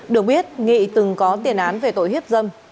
được biết nghị từng có tiền án về tội hiếp dâm